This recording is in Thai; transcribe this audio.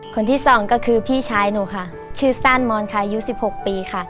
คนที่สองก็คือพี่ชายหนูค่ะชื่อสั้นมอนค่ะยุดสิบหกปีค่ะ